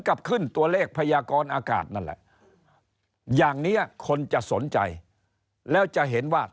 กับขึ้นตัวเลขพยากรอากาศนั่นแหละอย่างนี้คนจะสนใจแล้วจะเห็นว่า